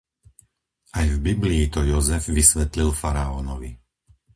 Aj v Biblii to Jozef vysvetlil faraónovi.